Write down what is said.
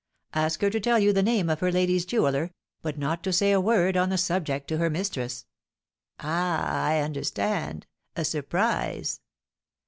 "Ask her to tell you the name of her lady's jeweller, but not to say a word on the subject to her mistress." "Ah, I understand, a surprise."